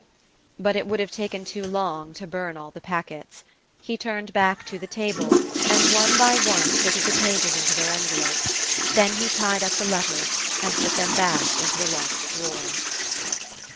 But it would have taken too long to burn all the packets. He turned back to the table and one by one fitted the pages into their envelopes; then he tied up the letters and put them back into the locked drawer.